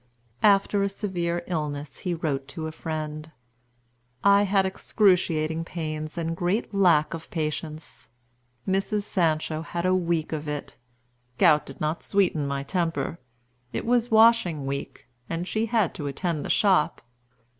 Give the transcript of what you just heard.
After a severe illness he wrote to a friend: "I had excruciating pains and great lack of patience. Mrs. Sancho had a week of it. Gout did not sweeten my temper. It was washing week, and she had to attend the shop.